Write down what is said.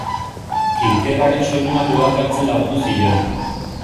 Kilkerraren soinuak loak hartzen lagundu zion.